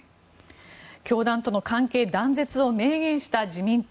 教団との関係断絶を明言した自民党。